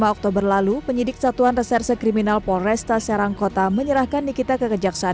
oktober lalu penyidik satuan reserse kriminal polresta serangkota menyerahkan nikita kekejaksaan